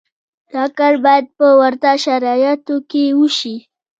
دا کار باید په ورته شرایطو کې وشي.